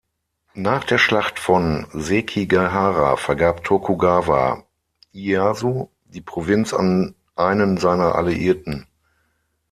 Nach der Schlacht von Sekigahara vergab Tokugawa Ieyasu die Provinz an einen seiner Alliierten.